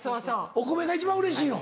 お米が一番うれしいの？